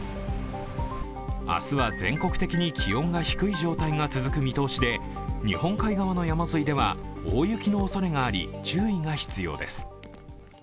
明日は全国的に気温が低い状態が続く見通しで、日本海側の山沿いでは大雪のおそれがあり注意が必要です。